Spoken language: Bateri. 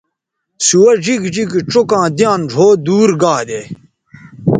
سوہ ڙیگ ڙیگ چوکاں دیان ڙھؤ دور گا دے